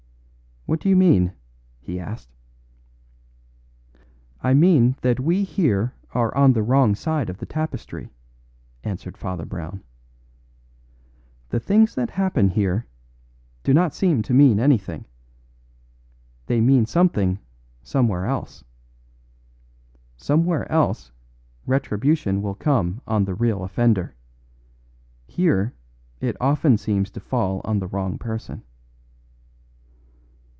"What do you mean?" he asked. "I mean that we here are on the wrong side of the tapestry," answered Father Brown. "The things that happen here do not seem to mean anything; they mean something somewhere else. Somewhere else retribution will come on the real offender. Here it often seems to fall on the wrong person."